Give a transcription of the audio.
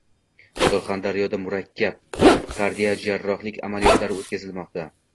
Surxondaryoda murakkab kardiojarrohlik amaliyotlari o‘tkazilmoqda